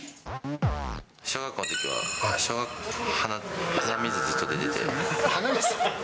小学校のときは、小学校、鼻水ずっと出てて。